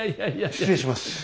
失礼します。